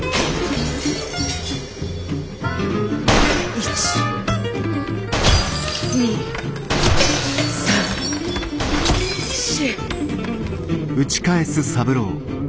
１２３４。